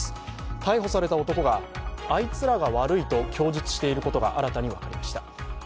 逮捕された男が、あいつらが悪いと供述していることが新たに分かりました。